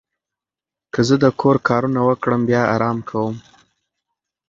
که زه د کور کارونه وکړم، بیا آرام کوم.